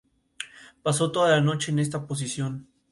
Pasó toda la noche en esta posición.